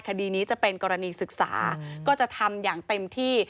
คดีนี้จะเป็นกรณีศึกษาก็จะทำอย่างเต็มที่